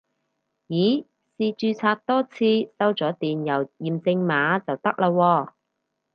咦試註冊多次收咗電郵驗證碼就得喇喎